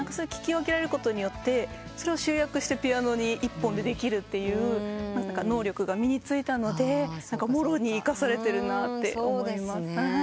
聞き分けられることによってそれを集約してピアノ一本でできるっていう能力が身に付いたのでもろに生かされるなって思います。